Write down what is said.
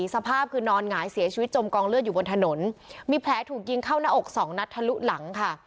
สภาพคือนอนหงายเสียชีวิตจมกองเลือดอยู่บนถนนมีแผลถูกยิงเข้าหน้าอกสองนัดทะลุหลังค่ะ